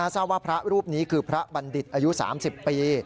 ทราบว่าพระรูปนี้คือพระบัณฑิตอายุ๓๐ปี